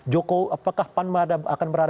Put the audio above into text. joko apakah panma akan berhasil